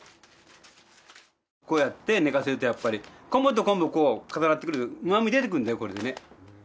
こうやって寝かせるとやっぱりコンブとコンブ重なってくるとうまみ出てくるんだよこれでね。